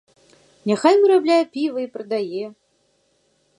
Няхай вырабляе піва і прадае!